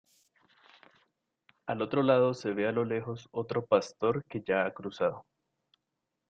Al otro lado se ve a lo lejos otro pastor que ya ha cruzado.